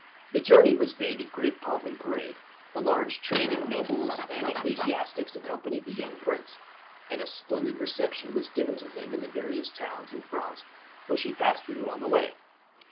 The journey was made with great pomp and parade. A large train of nobles and ecclesiastics accompanied the young prince, and a splendid reception was given to him in the various towns in France which he passed through on his way.